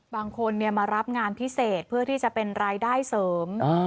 บางคนมารับงานพิเศษเพื่อที่จะเป็นรายได้เสริม